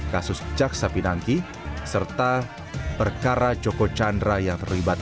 kasus jaksa pinangki serta perkara joko chandra yang terlibat